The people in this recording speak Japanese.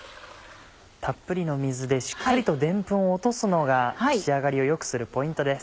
たっぷりの水でしっかりとでんぷんを落とすのが仕上がりを良くするポイントです。